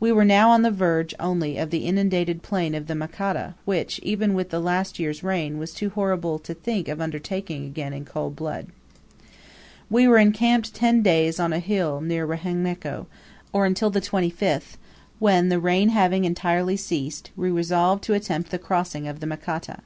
We were now on the verge only of the inundated plain of the Makata, which, even with the last year's rain, was too horrible to think of undertaking again in cold blood. We were encamped ten days on a hill near Rehenneko, or until the 25th, when, the rain having entirely ceased, we resolved to attempt the crossing of the Makata.